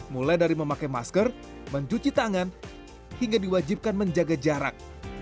mulai dari memakai masker mencuci tangan hingga diwajibkan menjaga jarak